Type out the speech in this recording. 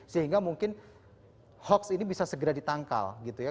sehingga mungkin hoax ini bisa segera ditangkal gitu ya